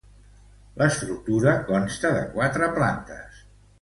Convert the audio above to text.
L'estructura consta de quatre plantes.